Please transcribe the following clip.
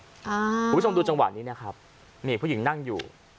คุณผู้ชมดูจังหวะนี้นะครับนี่ผู้หญิงนั่งอยู่